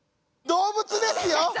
動物ですよ！